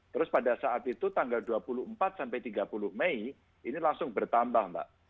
terus pada saat itu tanggal dua puluh empat sampai tiga puluh mei ini langsung bertambah mbak